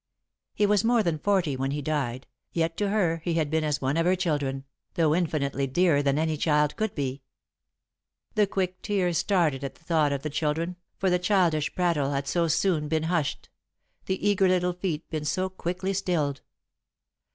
He was more than forty when he died, yet to her he had been as one of her children, though infinitely dearer than any child could be. The quick tears started at the thought of the children, for the childish prattle had so soon been hushed, the eager little feet had been so quickly stilled.